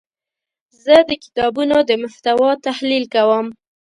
زه د کتابونو د محتوا تحلیل کوم.